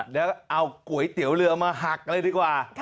แล้วก็เอาก๋วยเตี๋ยวเรือมาหักเลยดีกว่า